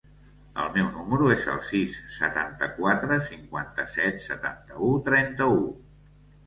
El meu número es el sis, setanta-quatre, cinquanta-set, setanta-u, trenta-u.